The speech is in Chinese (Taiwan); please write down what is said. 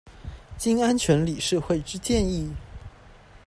經安全理事會之建議